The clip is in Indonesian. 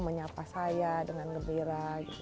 menyapa saya dengan gembira